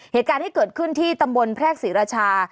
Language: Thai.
เหตุการณ์ที่เกิดขึ้นที่ตำบลแพรกศรีราชา